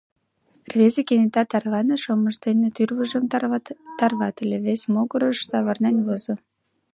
Рвезе кенета тарваныш, омыж дене тӱрвыжым тарватыле, вес могырыш савырнен возо.